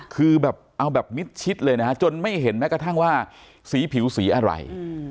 คือแบบเอาแบบมิดชิดเลยนะฮะจนไม่เห็นแม้กระทั่งว่าสีผิวสีอะไร